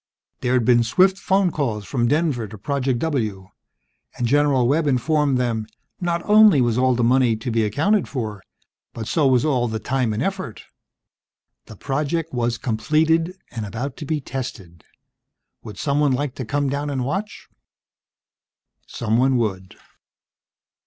There'd been swift phone calls from Denver to Project W, and, General Webb informed them, not only was all the money to be accounted for, but so was all the time and effort: the project was completed, and about to be tested. Would someone like to come down and watch? Someone would.